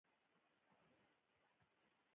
باید له مناسبو طریقو څخه شروع شي.